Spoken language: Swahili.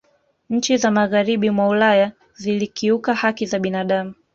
nchi za magharibi mwa ulaya zilikiuka haki za binadamu